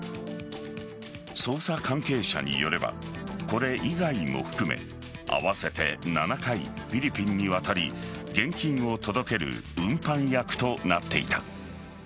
捜査関係者によればこれ以外にも含め合わせて７回、フィリピンに渡り現金を届ける運搬役となっていた。